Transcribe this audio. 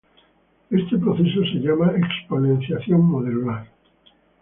Este proceso es llamado Exponenciación modular.